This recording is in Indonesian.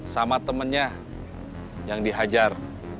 sama temennya yang dihajar